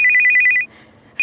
bentar dulu ya